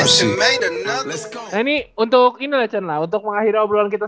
nah ini untuk ini lah cen lah untuk mengakhiri obrolan kita